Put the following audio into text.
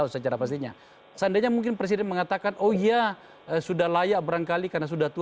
berbeda ini prosedurnya berbeda